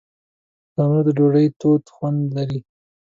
تنور د ډوډۍ تود خوند لري